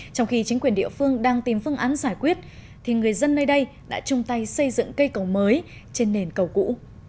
trong khi chính quyền địa phương đang tìm phương án giải quyết thì người dân nơi đây đã chung tay xây dựng cây cầu mới trên nền cầu cũ